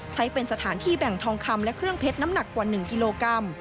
ใช้เป็นสถานที่แบ่งทองคำและเครื่องเพชรน้ำหนักกว่า๑กิโลกรัม